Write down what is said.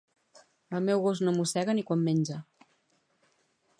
El meu gos no mossega ni quan menja